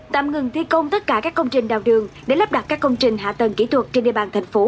tạm ngừng thi công tất cả các công trình đào đường để lắp đặt các công trình hạ tầng kỹ thuật trên địa bàn thành phố